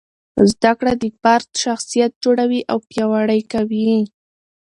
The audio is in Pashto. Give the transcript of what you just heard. زده کړه د فرد شخصیت جوړوي او پیاوړی کوي.